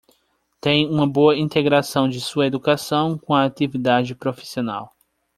Tem uma boa integração de sua educação com a atividade profissional.